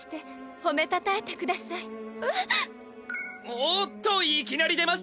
おっといきなり出ました